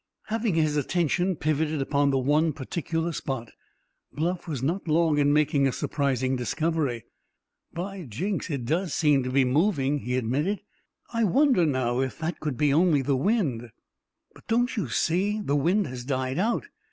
Having his attention pivoted upon the one particular spot, Bluff was not long in making a surprising discovery. "By Jinks, it does seem to be moving!" he admitted. "Wonder now if that could be only the wind?" "But, don't you see, the wind has died out.